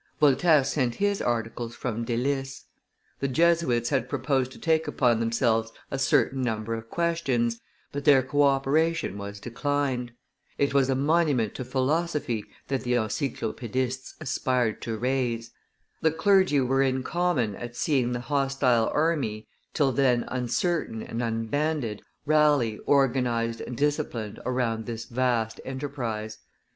Voltaire sent his articles from Delices. The Jesuits had proposed to take upon themselves a certain number of questions, but their co operation was declined: it was a monument to philosophy that the Encyclopaedists aspired to raise; the clergy were in commotion at seeing the hostile army, till then uncertain and unbanded, rally organized and disciplined around this vast enterprise.